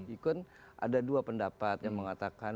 ikut ada dua pendapat yang mengatakan